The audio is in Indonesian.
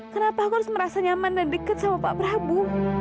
kenapa aku harus merasa nyaman dan dekat sama pak prabu